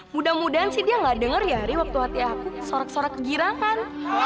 mudah mudahan sih dia gak denger diary waktu hati aku sorak sorak kegirangan